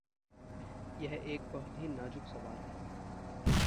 यह एक बहुत ही नाज़ुक सवाल है।